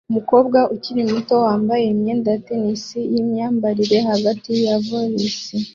Umukobwa ukiri muto wambaye imyenda ya tennis yimyambarire hagati ya volleys